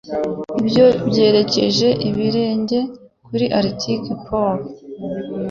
Ibyo byerekeje ibirenge kuri Arctic Pole.